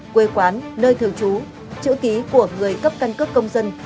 quê quán nơi thường trú chữ ký của người cấp căn cước công dân